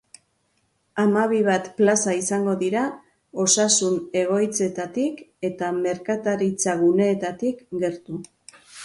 Hamabi bat plaza izango dira, osasun egoitzetatik eta merkataritzaguneetatik gertu.